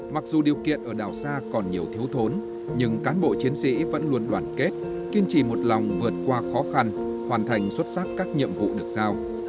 mặc dù điều kiện ở đảo xa còn nhiều thiếu thốn nhưng cán bộ chiến sĩ vẫn luôn đoàn kết kiên trì một lòng vượt qua khó khăn hoàn thành xuất sắc các nhiệm vụ được giao